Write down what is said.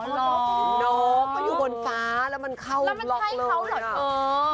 นกมันอยู่บนฟ้าแล้วมันเข้าบล็อกเลย